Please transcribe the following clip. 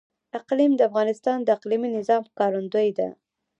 اقلیم د افغانستان د اقلیمي نظام ښکارندوی ده.